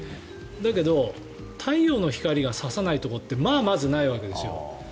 だけど、太陽の光が差さないところってまずないわけですよ。